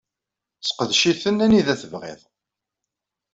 Seqdec-iten anida tebɣiḍ.